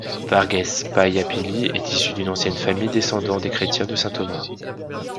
Varghese Payyappilly est issu d'une ancienne famille descendants des chrétiens de saint Thomas.